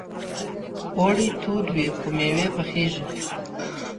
اوړی تود وي خو مېوې پخيږي.